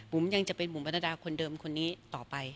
ยังจะเป็นบุ๋มบรรดาคนเดิมคนนี้ต่อไป